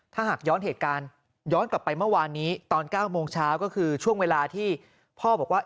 ตอนกลับไปเมื่อวานนี้ตอน๙โมงเช้าก็คือช่วงเวลาที่พ่อบอกว่า